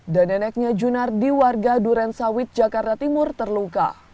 dan neneknya junar di warga duren sawit jakarta timur terluka